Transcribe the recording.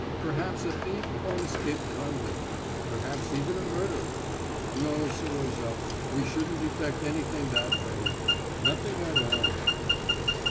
Perhaps a thief or an escaped convict. Perhaps even a murderer. No, Serozha, we shouldn't effect anything that way. Nothing at all...."